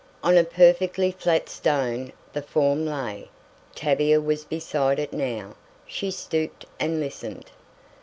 On a perfectly flat stone the form lay. Tavia was beside it now. She stooped and listened.